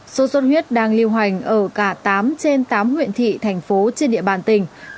số suất huyết đang lưu hoành ở cả tám trên tám huyện thị thành phố trên địa bàn tỉnh